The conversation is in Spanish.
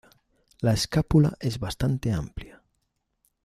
La escápula es bastante amplia.